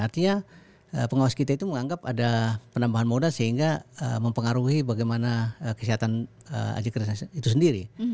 artinya pengawas kita itu menganggap ada penambahan modal sehingga mempengaruhi bagaimana kesehatan aja kekerasan itu sendiri